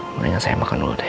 makanya saya makan dulu deh